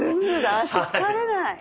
脚疲れない。